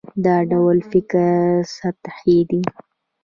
دا ډول فکر سطحي دی.